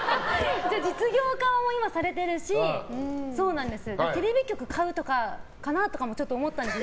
実業家を今されてるしテレビ局買うとかかなって思ったんですよ。